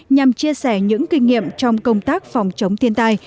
nhằm chia sẻ những kinh nghiệm trong công tác phòng chống thiên tai